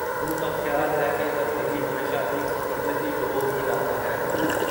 ان کا خیال ہے کہ تبدیلی ہمیشہ ایک اقلیتی گروہ ہی لاتا ہے۔